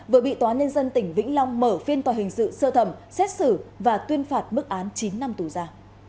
vừa bị tòa nhân dân tỉnh vĩnh long mở phiên tòa hình sự sơ thẩm xét xử và tuyên phạt mức án chín năm tù ra